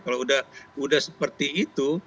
kalau udah seperti itu